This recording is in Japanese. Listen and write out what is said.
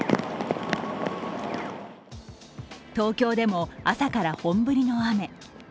東京でも朝から本降りの雨。